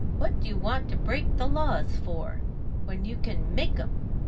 What do you want to break the laws for, when you can make 'em?